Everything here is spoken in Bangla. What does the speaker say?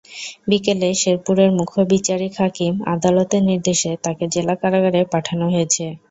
বিকেলে শেরপুরের মুখ্য বিচারিক হাকিম আদালতের নির্দেশে তাঁকে জেলা কারাগারে পাঠানো হয়েছে।